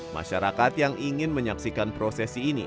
masyarakat yang ingin menyaksikan prosesi ini